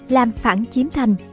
làm phản chiếm thành